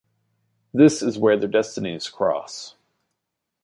This is where their destinies cross.